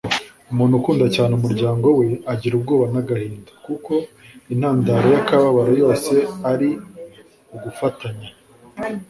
umuntu ukunda cyane umuryango we agira ubwoba n'agahinda, kuko intandaro y'akababaro yose ari ugufatanya